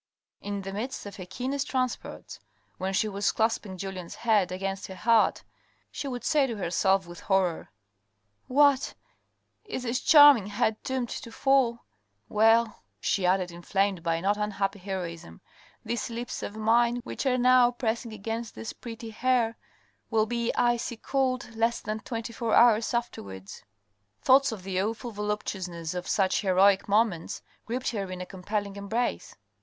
In the midst of her keenest transports, when she was clasp ing Julien's head against her heart, she would say to herself with horror, " What ! is this charming head doomed to fall ? THE INTRIGUE 487 Well," she added, inflamed by a not unhappy heroism, "these lips of mine, which are now pressing against this pretty hair, will be icy cold less than twenty four hours afterwards." Thoughts of the awful voluptuousness of such heroic moments gripped her in a compelling embrace.